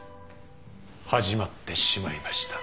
始まってしまいましたね。